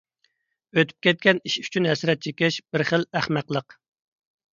ئۆتۈپ كەتكەن ئىش ئۈچۈن ھەسرەت چېكىش بىر خىل ئەخمەقلىق.